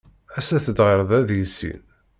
Aset-d ɣer da deg sin.